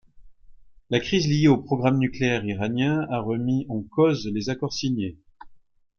La crise liée au programme nucléaire iranien a remis en cause les accords signés.